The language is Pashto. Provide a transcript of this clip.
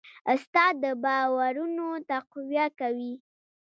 استاد د باورونو تقویه کوي.